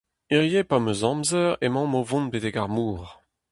Hiziv pa'm eus amzer emaomp o vont betek ar mor.